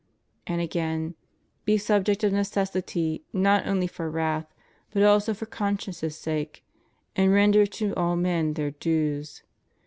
And again : Be subject of necessity, not only for wrath, hut also for conscience' sake; and render to all men their dues.